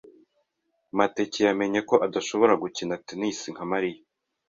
Mateke yamenye ko adashobora gukina tennis nka Mariya.